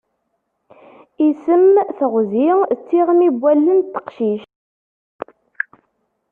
Isem, teɣzi d tiɣmi n wallen n teqcict.